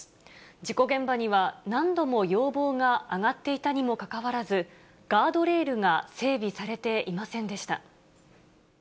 事故現場には、何度も要望が上がっていたにもかかわらず、ガードレールが整備されていませんでした。